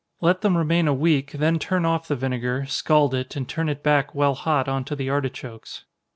Let them remain a week, then turn off the vinegar, scald it, and turn it back while hot on to the artichokes.